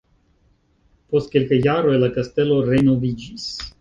Post kelkaj jaroj la kastelo renoviĝis.